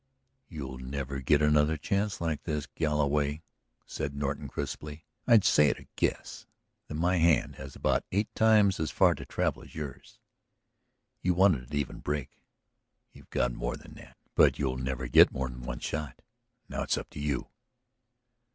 "You'll never get another chance like this, Galloway," said Norton crisply. "I'd say, at a guess, that my hand has about eight times as far to travel as yours. You wanted an even break; you've got more than that. But you'll never get more than one shot. Now, it's up to you."